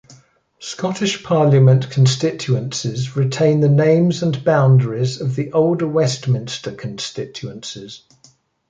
Scottish Parliament constituencies retain the names and boundaries of the older Westminster constituencies.